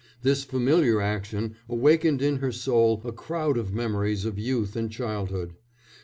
This familiar action awakened in her soul a crowd of memories of youth and childhood.